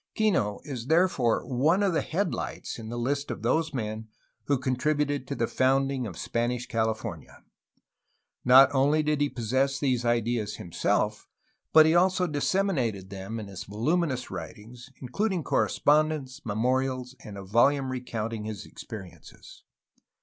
Kino is therefore one of the headlights in the list of those men who contributed to the founding of Spanish California. Not only did he possess these ideas himself, but he also disseminated them in his voluminous writings, in cluding correspondence, memorials, and a volume recounting his experiences.